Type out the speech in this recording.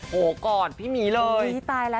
โหกอดพี่มีเลย